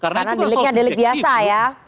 karena di linknya di link biasa ya